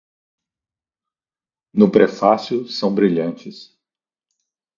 no Prefácio, são brilhantes